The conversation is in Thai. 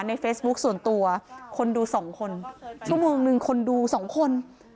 เฟซบุ๊คส่วนตัวคนดูสองคนชั่วโมงหนึ่งคนดูสองคน